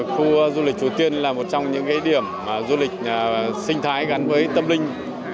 khu du lịch chùa tiên là một trong những điểm du lịch sinh thái gắn với tâm linh